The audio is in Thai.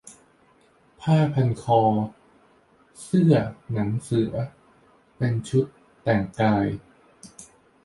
ผ้าพันคอ เสื้อหนังเสือ เป็นชุดแต่งกาย